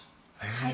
はい。